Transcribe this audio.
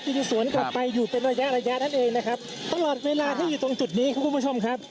สวนกลับไปอยู่เป็นระยะระยะนั่นเองนะครับตลอดเวลาที่อยู่ตรงจุดนี้ครับคุณผู้ชมครับ